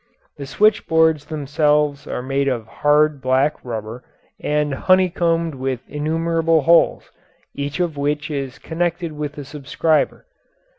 ] The switchboards themselves are made of hard, black rubber, and are honeycombed with innumerable holes, each of which is connected with a subscriber.